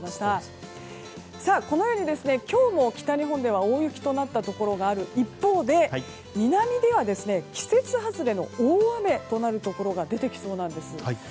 このように今日も北日本では大雪となったところがある一方で南では季節外れの大雨となるところが出てきそうなんです。